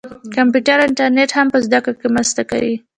کمپیوټر او انټرنیټ هم په زده کړه کې مرسته کوي.